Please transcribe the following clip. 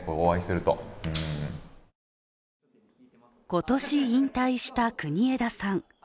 今年、引退した国枝さん。